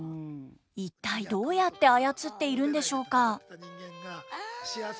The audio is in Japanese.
一体どうやって操っているんでしょうか。